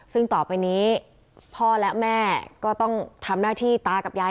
ซึ่งต่อไปนี้พ่อและแม่ก็ต้องทำหน้าที่ตากับยาย